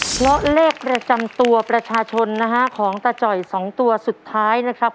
เพราะเลขประจำตัวประชาชนนะฮะของตาจ่อย๒ตัวสุดท้ายนะครับ